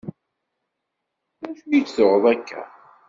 D acu i d-tuɣeḍ akka?